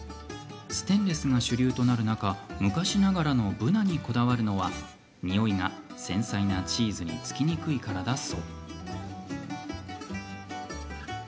ステンレスが主流となる中昔ながらのブナにこだわるのはにおいが繊細なチーズにつきにくいからだそう。